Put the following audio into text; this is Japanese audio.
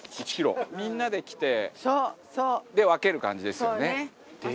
みんなで来て分ける感じですよね。